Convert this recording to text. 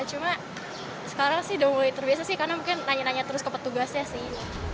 cuma sekarang sih udah mulai terbiasa sih karena mungkin nanya nanya terus ke petugasnya sih